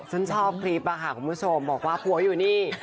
ฉันชอบคลิปอะค่ะคุณผู้ชมบอกว่าผัวอยู่นี่